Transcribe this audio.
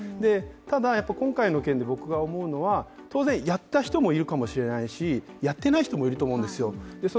ただ、今回の件で僕が思うのは当然やった人もいるかもしれないしやっていない人もいると思うんですよ。